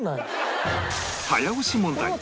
早押し問題